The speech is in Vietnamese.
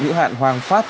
nữ hạn hoàng pháp